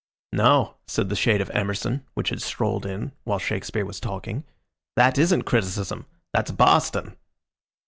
"No," said the shade of Emerson, which had strolled in while Shakespeare was talking, "that isn't criticism; that's Boston."